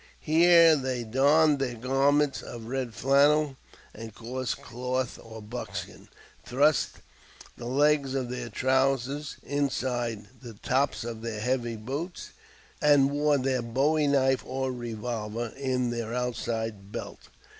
Here they donned their garments of red flannel and coarse cloth or buckskin, thrust the legs of their trousers inside the tops of their heavy boots, and wore their bowie knife or revolver in their outside belt.